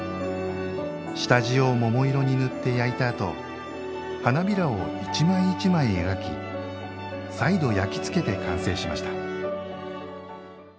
下地を桃色に塗って焼いた後花びらを一枚一枚描き再度、焼き付けて完成しました。